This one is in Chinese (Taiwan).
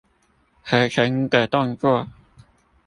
合成一個動作